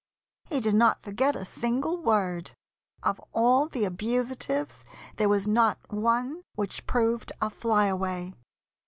He did not forget A single word. Of all the abusatives There was not one which proved a fly away.